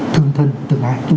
thương thân tương lai